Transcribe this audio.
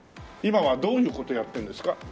今はどういう事やってるんですか？